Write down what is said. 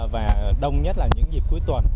và đông nhất là những dịp cuối tuần